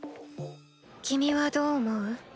君はどう思う？